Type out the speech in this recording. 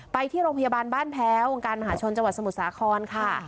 ไปที่โรงพยาบาลบ้านแพ้วองค์การมหาชนจังหวัดสมุทรสาครค่ะ